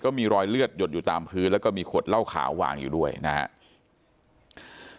มีรอยเลือดหยดอยู่ตามพื้นแล้วก็มีขวดเหล้าขาววางอยู่ด้วยนะครับ